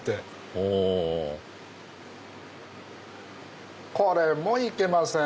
おこれもいけません！